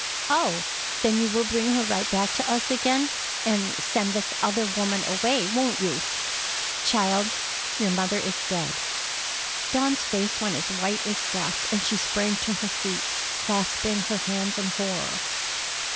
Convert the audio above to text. "Oh! Then you will bring her right back to us again and send this other woman away, won't you?" "Child, your mother is dead!" Dawn's face went as white as death, and she sprang to her feet, clasping her hands in horror.